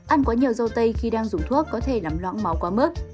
ăn quá nhiều rau tây khi đang dùng thuốc có thể làm loãng máu quá mức